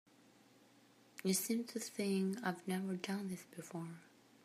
You seem to think I've never done this before.